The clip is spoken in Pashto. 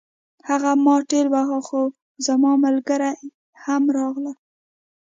هغه ما ټېل واهه خو زما ملګري هم راغلل